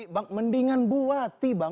bang mendingan buati bang